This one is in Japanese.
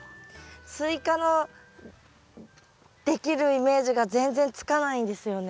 スイカのできるイメージが全然つかないんですよね。